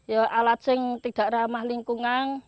ya alat yang tidak ramah lingkungan